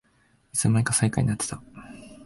いつのまにか最下位になってた